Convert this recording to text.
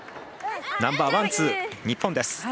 ナンバーワン、ツー、日本です。